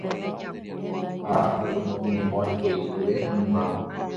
ha amandi'o mimói mbo'ipyre oĩmbáma.